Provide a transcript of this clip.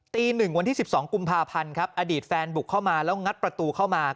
ตี๑วันที่๑๒กุมภาพันธ์ครับอดีตแฟนบุกเข้ามาแล้วงัดประตูเข้ามา